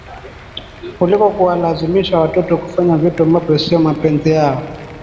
Kuliko kuwalazimisha watoto kufanya vitu ambavyo sio mapenzi yao